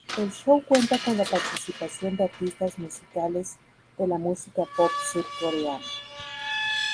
El show cuenta con la participación de artistas musicales de la música pop surcoreana.